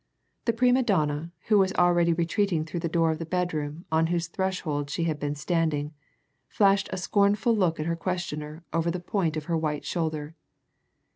The prima donna, who was already retreating through the door of the bedroom on whose threshold she had been standing, flashed a scornful look at her questioner over the point of her white shoulder.